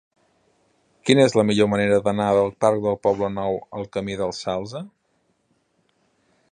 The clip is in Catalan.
Quina és la millor manera d'anar del parc del Poblenou al camí del Salze?